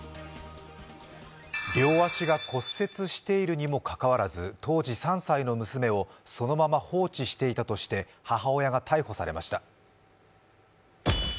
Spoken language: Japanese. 両足が骨折しているにもかかわらず当時３歳の娘をそのまま放置していたとして母親が逮捕されました。